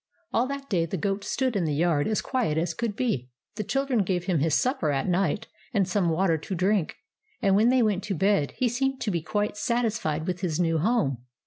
All that day the goat stood in the yard as quiet as could be. The children gave him his supper at night and some water to drink, and when they went to bed he seemed to be quite satisfied with his new home.